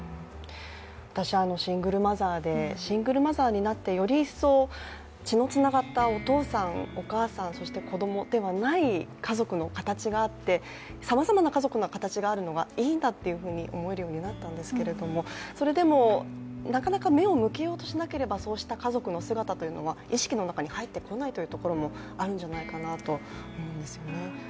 私、シングルマザーで、シングルマザーになって、より一層血のつながったお父さん、お母さんそして子供ではない家族の形があって、さまざまな家族の形があるのがいいんだって思えるようになったんですけどもそれでも、なかなか目を向けようとしなければそうした家族の姿というのは意識の中に入ってこないというところもあるんじゃないかなと思うんですよね。